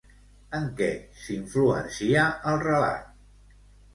En què s'influencia el relat?